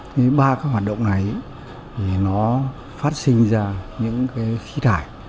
thì ba cái hoạt động này thì nó phát sinh ra những cái khí tải